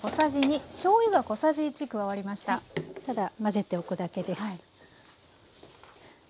ただ混ぜておくだけです。